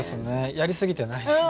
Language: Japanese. やりすぎてないですね。